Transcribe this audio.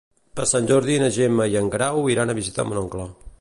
Per Sant Jordi na Gemma i en Guerau iran a visitar mon oncle.